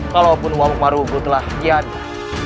walaupun uamuk marugou telah dihadir